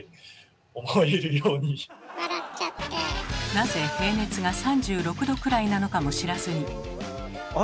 なぜ平熱が３６℃くらいなのかも知らずに。